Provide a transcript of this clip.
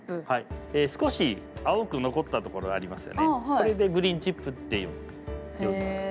これでグリーンチップって呼びますね。